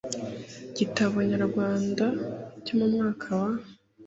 Igitabo nyamwaka cyo mu mwaka wa